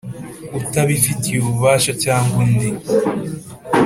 utabifitiye ububasha cyangwa undi